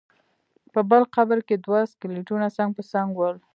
په بل قبر کې دوه سکلیټونه څنګ په څنګ ول.